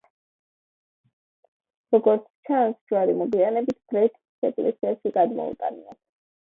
როგორც ჩანს, ჯვარი მოგვიანებით ბრეთის ეკლესიაში გადმოუტანიათ.